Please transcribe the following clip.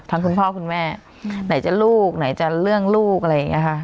ทั้งคุณพ่อคุณแม่ไหนจะลูกไหนจะลดลูกอะไรงี้ค่ะ